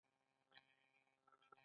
یوازې د آزادو خلکو یو معلوم قشر برخمن و.